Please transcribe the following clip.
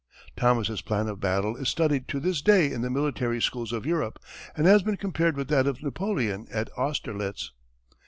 Thomas's plan of battle is studied to this day in the military schools of Europe, and has been compared with that of Napoleon at Austerlitz.